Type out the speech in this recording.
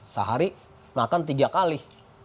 sehari makan tiga kali